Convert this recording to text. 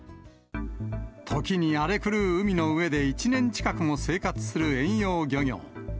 時に荒れ狂う海の上で、１年近くも生活する遠洋漁業。